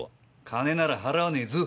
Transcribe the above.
金なら払わねえぞ。